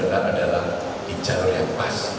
benar adalah di jalur yang pas